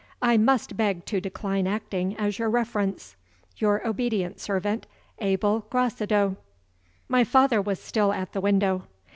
I must beg to decline acting as your reference. "Your obedient servant, "ABEL GRACEDIEU." ....... My father was still at the window.